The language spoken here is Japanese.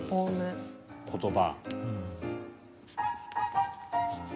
言葉。